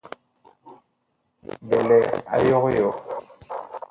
Bi lɛ a yog yɔɔ.